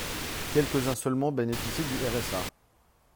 Quelques-uns seulement bénéficient du RSA.